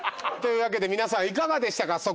というわけで皆さんいかがでしたか？